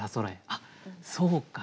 あっそうか。